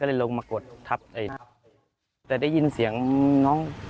เลยลงมากดทับไอ้แต่ได้ยินเสียงน้อง